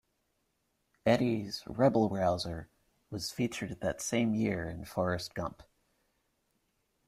Eddy's "Rebel Rouser" was featured that same year in "Forrest Gump".